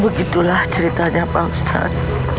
begitulah ceritanya pak ustaz